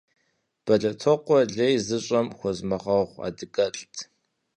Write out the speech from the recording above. Бэлэтокъуэ лей зыщӀэм хуэзмыгъэгъу адыгэлӀт.